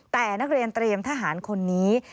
แต่นักเรียนเตรียมทหารคนนี้